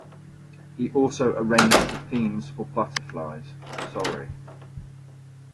He also arranged the themes for "Butterflies", "Sorry!